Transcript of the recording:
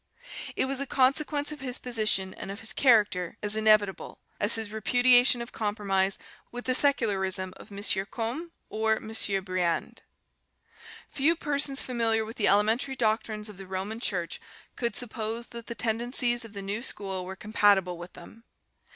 It was a consequence of his position and of his character as inevitable as his repudiation of compromise with the secularism of M. Combe or M. Briand. Few persons familiar with the elementary doctrines of the Roman Church could suppose that the tendencies of the new school were compatible with them.